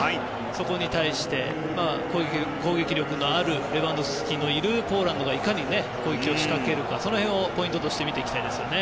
そこに対して攻撃力のあるレバンドフスキのいるポーランドがいかに攻撃を仕掛けるかその辺をポイントとして見ていきたいですね。